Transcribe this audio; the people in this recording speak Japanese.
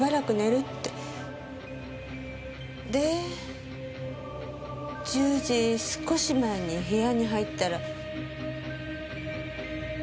で１０時少し前に部屋に入ったら。